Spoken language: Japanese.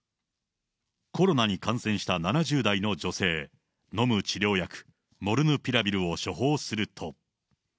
コロナに感染した７０代の女性、飲む治療薬、モルヌピラビルを処方すると。